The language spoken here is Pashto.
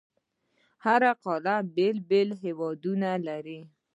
هره قاره بېلابېل هیوادونه لري.